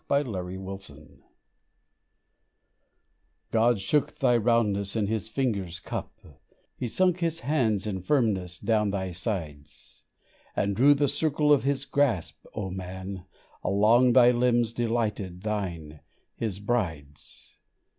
MICHAEL ANGELO God shook thy roundness in His finger's cup, He sunk His hands in firmness down thy sides, And drew the circle of His grasp, O Man, Along thy limbs delighted, thine, His bride's.